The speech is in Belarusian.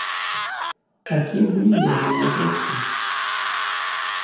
А кім былі ягоныя продкі?